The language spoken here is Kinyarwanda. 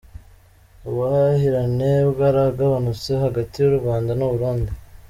Ubuhahirane bwaragabanutse hagati y’u Rwanda n’u Burundi.